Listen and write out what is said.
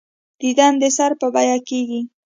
دیدن د سر په بیعه کېږي.